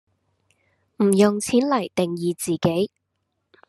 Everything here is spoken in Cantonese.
唔用「錢」黎定義自己